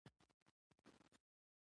د فيمنيزم په سترګيو کې وکتل شو